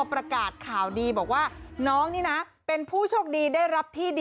พร้อมกับห้อยเท็จอีก๖กระหลัด